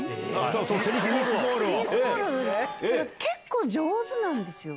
結構上手なんですよ。